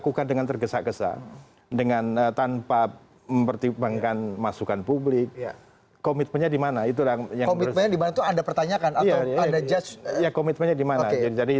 komitmennya dimana itu yang berbeda dimana tuh ada pertanyaan ada judge komitmennya dimana jadi